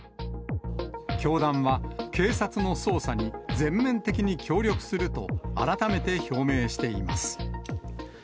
教団は警察の捜査に全面的に協力すると、改めて表明しています。